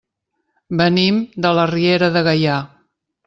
Venim de la Riera de Gaià.